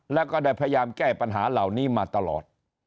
แล้วก็ได้พยายามแก้ปัญหาเหล่านี้มาตลอด